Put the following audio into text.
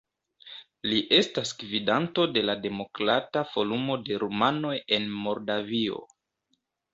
Li estas gvidanto de la Demokrata Forumo de Rumanoj en Moldavio.